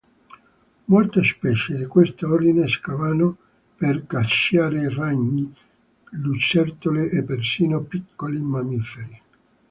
Molte specie di questo ordine scavano per cacciare ragni, lucertole e persino piccoli mammiferi.